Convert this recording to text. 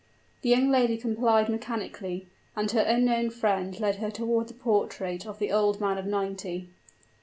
The young lady complied mechanically; and her unknown friend led her toward the portrait of the old man of ninety.